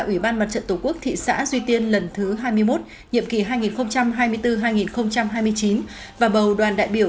ủy ban mặt trận tổ quốc thị xã duy tiên lần thứ hai mươi một nhiệm kỳ hai nghìn hai mươi bốn hai nghìn hai mươi chín và bầu đoàn đại biểu